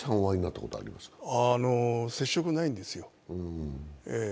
接触ないんですよ。